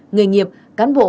người nghiệp cán bộ